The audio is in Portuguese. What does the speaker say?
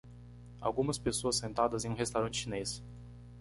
Algumas pessoas sentadas em um restaurante chinês